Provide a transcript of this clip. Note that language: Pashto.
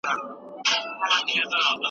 ځوانان باید د ټولنیزو نورمونو فشار کم کړي.